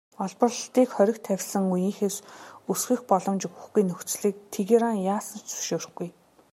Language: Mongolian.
Олборлолтыг хориг тавьсан үеийнхээс өсгөх боломж өгөхгүй нөхцөлийг Тегеран яасан ч зөвшөөрөхгүй.